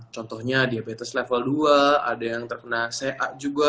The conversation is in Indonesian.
contohnya diabetes level dua ada yang terkena ca juga